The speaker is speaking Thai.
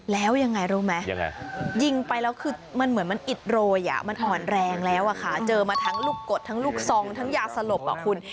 แล้วยังไงรู้ไหมยิงไปแล้วคือมันเหมือนมันอิดโรยมันอ่อนแรงแล้วอะค่ะเจอมาทั้งลูกกดทั้งลูกซองทั้งยาสลบอ่ะคุณ